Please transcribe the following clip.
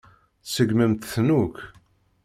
Tseggmemt-ten akk.